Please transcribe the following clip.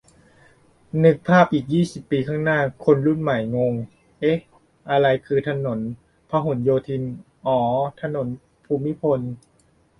นึกภาพอีกยี่สิบปีข้างหน้า คนรุ่นใหม่งง เอ๊ะ อะไรคือถนนพหลโยธิน อ๋อออออ ถนนภูมิพล